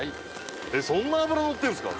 そんな脂のってんですか？